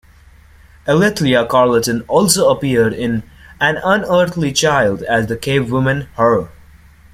Alethea Charlton also appeared in "An Unearthly Child" as the cavewoman, Hur.